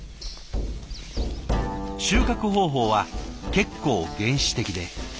収穫方法は結構原始的で。